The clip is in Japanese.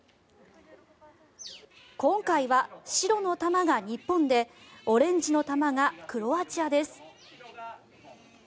今回は白の球が日本でオレンジの球がクロアチアです。